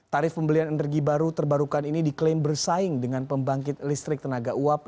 tarif pembelian energi baru terbarukan ini diklaim bersaing dengan pembangkit listrik tenaga uap